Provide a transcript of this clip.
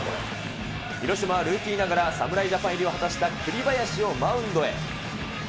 広島はルーキーながら侍ジャパン入りを果たした栗林をマウンドへ。